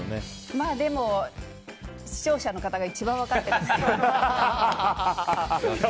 まあでも視聴者の方が一番分かってる。